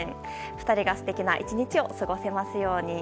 ２人が素敵な１日を過ごせますように。